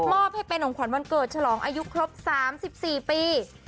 อบให้เป็นของขวัญวันเกิดฉลองอายุครบ๓๔ปี